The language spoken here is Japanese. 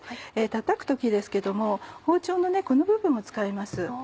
たたく時ですけれども包丁のこの部分を使います。